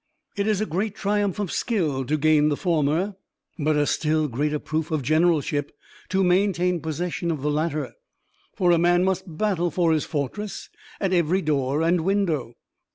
It is a great triumph of skill to gain the former, but a still greater proof of generalship to maintain possession of the latter, for a man must battle for his fortress at every door and window.